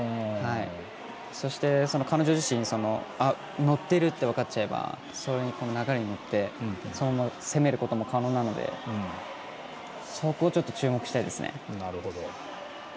そして、彼女自身乗っているって分かっちゃえば流れに乗って攻めることも可能なのでそこを、ちょっと注目したいです。